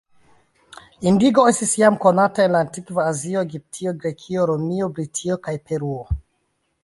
Indigo estis jam konata en la antikva Azio, Egiptio, Grekio, Romio, Britio kaj Peruo.